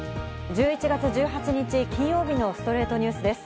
１１月１８日、金曜日の『ストレイトニュース』です。